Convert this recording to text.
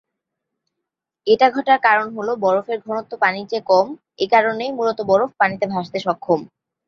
এটা ঘটার কারন হলো বরফের ঘনত্ব পানির চেয়ে কম, একারণেই মূলত বরফ পানিতে ভাসতে সক্ষম।